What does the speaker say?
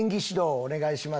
お願いします。